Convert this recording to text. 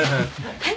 はい。